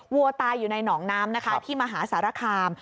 วัวตายอยู่ในหนองน้ำนะคะที่มหาสารคาม